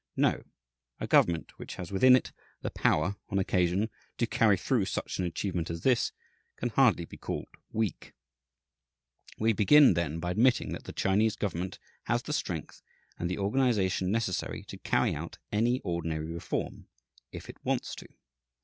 No; a government which has within it the power, on occasion, to carry through such an achievement as this, can hardly be called weak. We begin, then, by admitting that the Chinese government has the strength and the organization necessary to carry out any ordinary reform if it wants to.